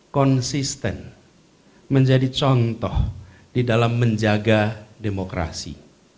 konsisten menjadi contoh di dalam menjaga demokrasi